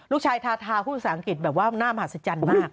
ลูกชายทาราผู้ศัตรูอังกฤษแบบว่าหน้ามหัศจรรย์มาก